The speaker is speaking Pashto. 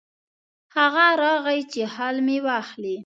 هغه راغی چې حال مې واخلي.